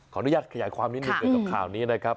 อนุญาตขยายความนิดหนึ่งเกี่ยวกับข่าวนี้นะครับ